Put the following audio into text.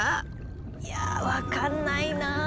いや分かんないなあ。